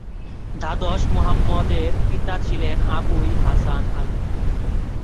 দ্বাদশ মোহাম্মদের পিতা ছিলেন আবু-ই-হাসান আলী।